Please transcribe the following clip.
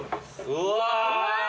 うわ。